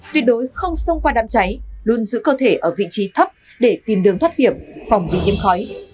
tuyệt đối không xông qua đám cháy luôn giữ cơ thể ở vị trí thấp để tìm đường thoát hiểm phòng bị nhiễm khói